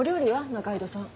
仲井戸さん。